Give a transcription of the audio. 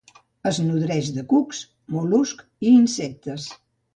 Es nodreix amb cucs, mol·luscs i insectes.